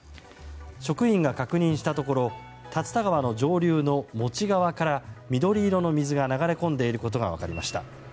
職員が確認したところ竜田川の上流のモチ川から緑色の水が流れ込んでいることが分かりました。